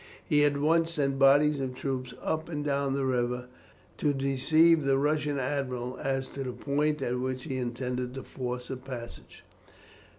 He at once sent bodies of troops up and down the river to deceive the Russian admiral as to the point at which he intended to force a passage.